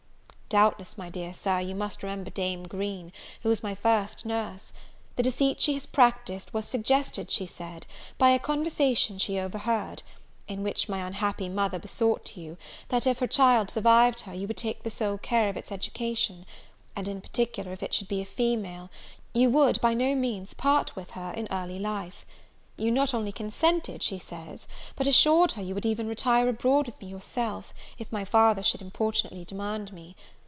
Doubtless, my dear Sir, you must remember Dame Green, who was my first nurse. The deceit she has practised was suggested, she says, by a conversation she overheard; in which my unhappy mother besought you, that, if her child survived her, you would take the sole care of its education; and, in particular, if it should be a female, you would by no means part with her in early life. You not only consented, she says, but assured her you would even retire abroad with me yourself, if my father should importunately demand me.